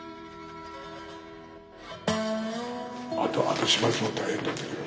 あと後始末も大変だったけど。